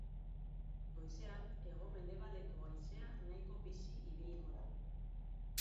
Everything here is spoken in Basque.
Goizean hego-mendebaldeko haizea nahiko bizi ibiliko da.